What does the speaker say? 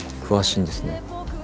詳しいんですね。